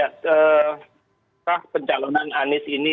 apakah pencalonan anies ini